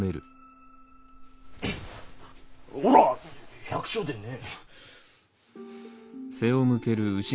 おら百姓でねえ！